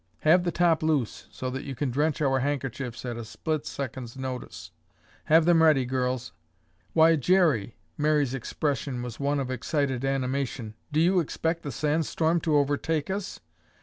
Have the top loose so that you can drench our handkerchiefs at a split second's notice. Have them ready, girls." "Why, Jerry," Mary's expression was one of excited animation, "do you expect the sand storm to overtake us?"